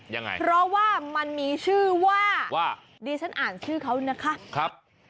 ยังไงเพราะว่ามันมีชื่อว่าว่าดิฉันอ่านชื่อเขานะคะครับ